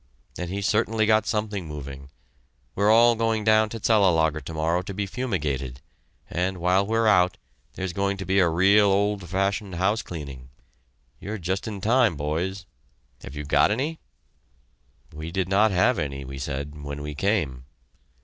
And he certainly got something moving. We're all going down to Cellelager to morrow to be fumigated; and while we're out, there's going to be a real old fashioned house cleaning! You're just in time, boys. Have you got any?" "We did not have any," we said, "when we came."